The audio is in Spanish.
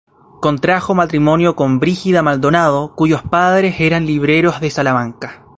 Contrajo matrimonio con Brígida Maldonado, cuyos padres eran libreros de Salamanca.